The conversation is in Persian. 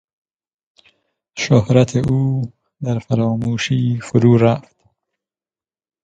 شهرت او در فراموشی فرو رفت.